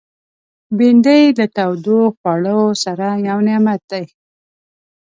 بېنډۍ له تودو خوړو سره یو نعمت دی